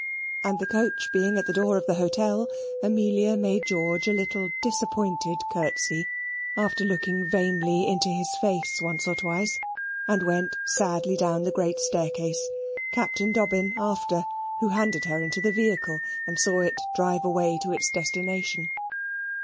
And the coach being at the door of the hotel, Amelia made George a little disappointed curtsey after looking vainly into his face once or twice, and went sadly down the great staircase, Captain Dobbin after, who handed her into the vehicle, and saw it drive away to its destination.